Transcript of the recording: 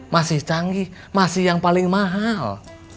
masih canggih masih yang paling mahal